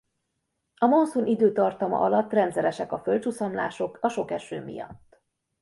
A monszun időtartama alatt rendszeresek a földcsuszamlások a sok eső miatt.